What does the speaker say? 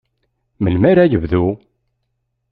Melmi ara yebdu?